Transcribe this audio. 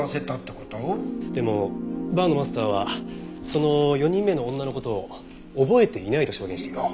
でもバーのマスターはその４人目の女の事を覚えていないと証言しています。